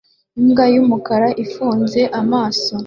Imbwa yumukara ifunze amaso